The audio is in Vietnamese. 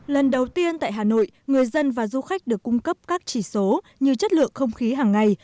lần đầu tiên tại hà nội người dân và du khách được cung cấp các chỉ số như chất lượng không khí hàng ngày